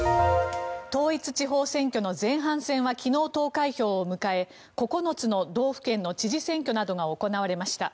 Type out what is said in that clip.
統一地方選挙の前半戦は昨日、投開票を迎え９つの道府県の知事選挙などが行われました。